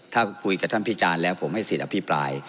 ถ้าคุยกับท่านพิจารณ์แล้วผมให้สิทธิ์อภิปราย